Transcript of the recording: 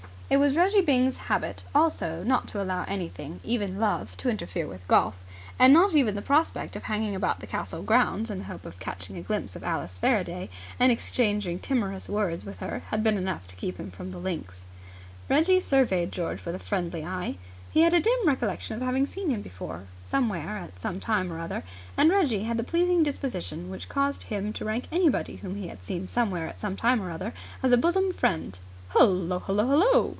It was Reggie Byng's habit also not to allow anything, even love, to interfere with golf; and not even the prospect of hanging about the castle grounds in the hope of catching a glimpse of Alice Faraday and exchanging timorous words with her had been enough to keep him from the links. Reggie surveyed George with a friendly eye. He had a dim recollection of having seen him before somewhere at some time or other, and Reggie had the pleasing disposition which caused him to rank anybody whom he had seen somewhere at some time or other as a bosom friend. "Hullo! Hullo! Hullo!"